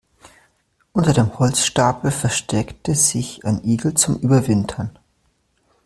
Unter dem Holzstapel versteckte sich ein Igel zum Überwintern.